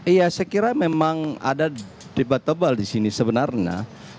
iya saya kira memang ada debatable di sini sebenarnya